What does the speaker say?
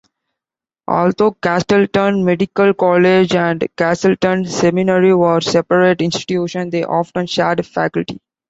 Although Castleton Medical College and Castleton Seminary were separate institutions, they often shared faculty.